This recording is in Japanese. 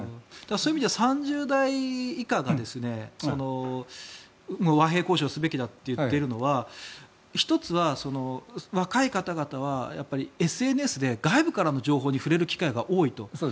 そういう意味では３０代以下が和平交渉するべきだと言っているのは１つは若い方々はやっぱりＳＮＳで外部からの情報に触れる機会が多いと。